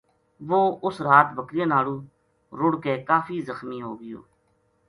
وہ اُس رات بکریاں نالوں رُڑھ کے کافی زخمی ہو گیو